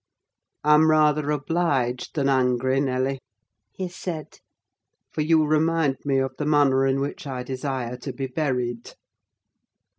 "I'm rather obliged than angry, Nelly," he said, "for you remind me of the manner in which I desire to be buried.